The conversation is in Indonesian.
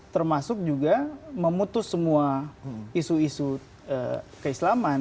termasuk juga memutus semua isu isu keislaman